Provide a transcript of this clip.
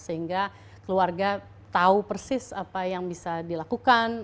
sehingga keluarga tahu persis apa yang bisa dilakukan